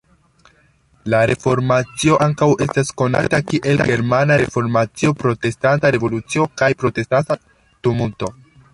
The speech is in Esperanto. La Reformacio ankaŭ estas konata kiel "Germana Reformacio", "Protestanta Revolucio" kaj "Protestanta Tumulto".